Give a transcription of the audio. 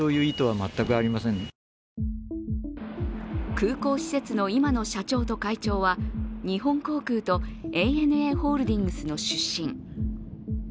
空港施設の今の社長と会長は日本航空とＡＮＡホールディングスの出身。